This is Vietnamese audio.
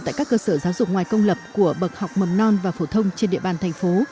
tại các cơ sở giáo dục ngoài công lập của bậc học mầm non và phổ thông trên địa bàn thành phố